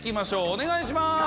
お願いします。